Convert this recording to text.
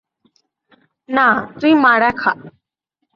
না, তুই মারা খা।